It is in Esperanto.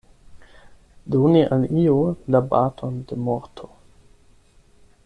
Doni al iu la baton de morto.